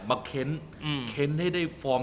เค้นให้ได้ฟอร์ม